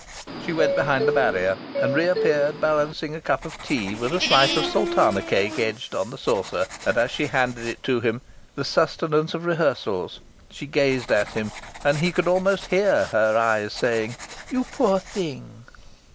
She went behind the barrier, and reappeared balancing a cup of tea with a slice of sultana cake edged on to the saucer. And as she handed it to him the sustenance of rehearsals she gazed at him and he could almost hear her eyes saying: "You poor thing!"